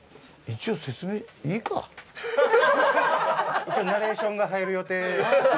一応ナレーションが入る予定。